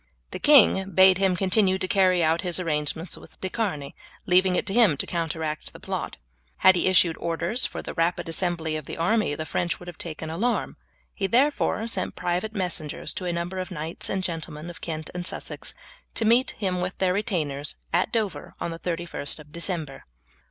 The king bade him continue to carry out his arrangements with De Charny, leaving it to him to counteract the plot. Had he issued orders for the rapid assembly of the army the French would have taken alarm. He therefore sent private messengers to a number of knights and gentlemen of Kent and Sussex to meet him with their retainers at Dover on the 31st of December.